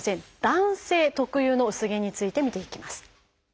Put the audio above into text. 男性特有の薄毛について見ていきます。